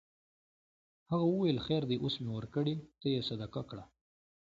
هغه وویل خیر دی اوس مې ورکړې ته یې صدقه کړه.